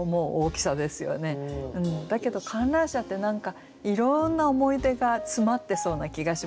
だけど観覧車って何かいろんな思い出が詰まってそうな気がしませんか？